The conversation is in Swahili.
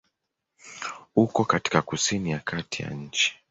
Uko katika kusini ya kati ya nchi.